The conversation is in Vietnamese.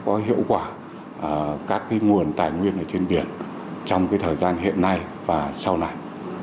có hiệu quả các nguồn tài nguyên ở trên biển trong thời gian hiện nay và sau này